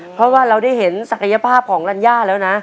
เพราะว่าเราได้เห็นศักยภาพของรัญญาแล้วนะ